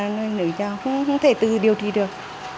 nên không thể tự điều trị được